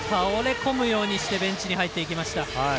倒れ込むようにしてベンチに入っていきました。